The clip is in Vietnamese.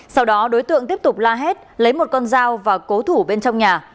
sau đó đối tượng tiếp tục la hét lấy một con dao và cố thủ bên trong nhà